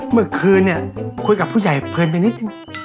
เมื่อคืนเนี่ยคุยกับผู้ใหญ่เพลินไปนิดนึง